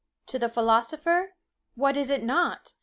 To the philosopher, what is it not?